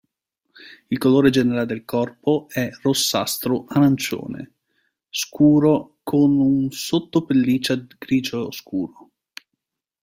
Il colore generale del corpo è rossastro-arancione scuro con un sotto-pelliccia grigio scuro.